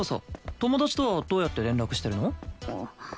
友達とはどうやって連絡してるの？